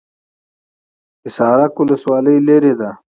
حصارک ولسوالۍ لیرې ده؟